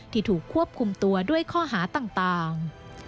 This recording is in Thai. ถูกควบคุมตัวด้วยข้อหาต่าง